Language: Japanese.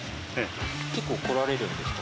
結構来られるんですか？